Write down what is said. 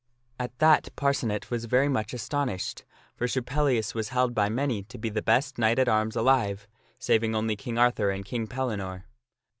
At that Parcenet was very much astonished, for Sir Pellias was held by many to be the best knight at arms alive, saving only King Arthur and Sir Pellias and King Pellinore.